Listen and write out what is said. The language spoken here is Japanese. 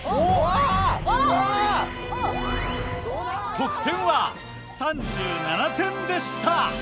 得点は３７点でした。